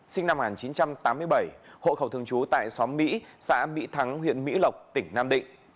sinh năm một nghìn chín trăm tám mươi bảy hộ khẩu thường trú tại xóm mỹ xã mỹ thắng huyện mỹ lộc tỉnh nam định